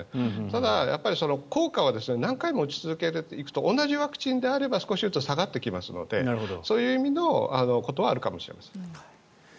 ただ、やっぱり効果は何回も打ち続けていると同じワクチンであれば少しずつ下がってきますのでそういう意味のことはあるかもしれません。